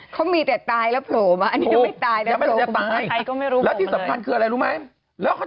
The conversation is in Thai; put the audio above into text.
เขามีแต่ตายและโผล่มาอันนี้ยังไม่ตายและโผล่